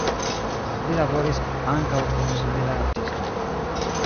Li laboris ankaŭ kun similaj artistoj.